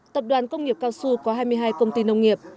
tập đoàn công nghiệp cao su có hai mươi hai công ty nông nghiệp